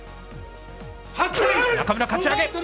中村、かち上げ。